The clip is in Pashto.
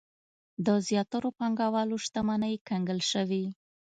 د زیاترو پانګوالو شتمنۍ کنګل شوې.